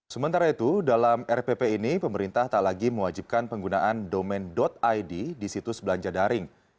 sementara itu dalam rpp ini pemerintah tak lagi mewajibkan penggunaan domain id di situs belanja daring